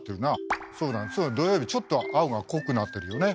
そうなの土曜日ちょっと青が濃くなってるよね。